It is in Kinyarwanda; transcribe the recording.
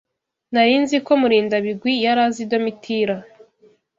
Nari nzi ko Murindabigwi yari azi Domitira.